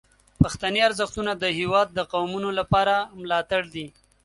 پښتني ارزښتونه د هیواد د قومونو لپاره ملاتړ دي.